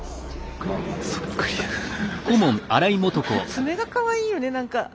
爪がかわいいよね何か。